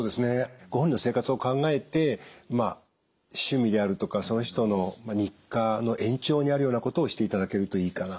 ご本人の生活を考えてまあ趣味であるとかその人の日課の延長にあるようなことをしていただけるといいかな。